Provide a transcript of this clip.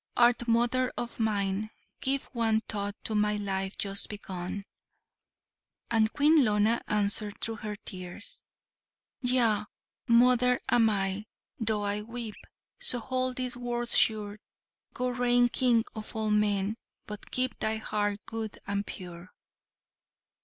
Art mother of mine? Give one thought To my life just begun!" And Queen Lona answered through her tears: "Yea! mother am I, though I weep, So hold this word sure, Go, reign king of all men, but keep Thy heart good and pure!"